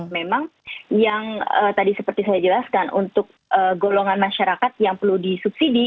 memang yang tadi seperti saya jelaskan untuk golongan masyarakat yang perlu disubsidi